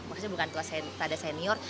maksudnya bukan rada senior